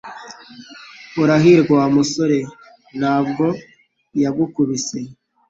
Urahirwa Wa musore ntabwo yagukubise